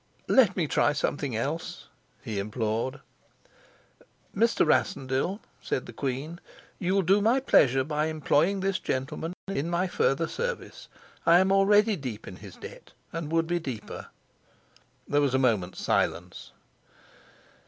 "Let me try something else!" he implored. "Mr. Rassendyll," said the queen, "you'll do my pleasure by employing this gentleman in my further service. I am already deep in his debt, and would be deeper." There was a moment's silence.